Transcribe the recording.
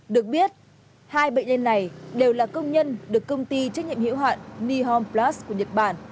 được biết hai bệnh nhân này đều là công nhân được công ty trách nhiệm hiệu hạn nihom plas của nhật bản